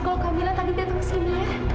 kalau kamila tadi datang ke sini ya